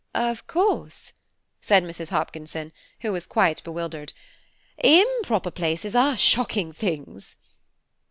"Of course," said Mrs. Hopkinson, who was quite bewildered, "improper places are shocking things."